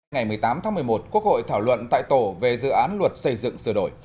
ngày một mươi tám tháng một mươi một quốc hội thảo luận tại tổ về dự án luật xây dựng sửa đổi